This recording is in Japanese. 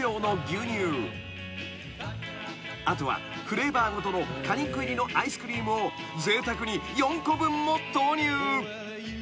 ［後はフレーバーごとの果肉入りのアイスクリームをぜいたくに４個分も投入］